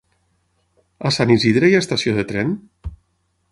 A Sant Isidre hi ha estació de tren?